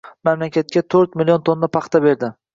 Mamlakatga to‘rt million tonna paxta berdi.